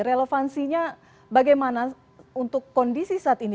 relevansinya bagaimana untuk kondisi saat ini